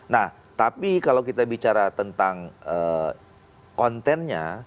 nah tapi kalau kita bicara tentang kontennya